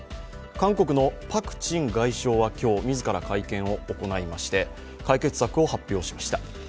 韓国のパク・チン外相は今日、自ら会見を行いまして解決策を発表しました。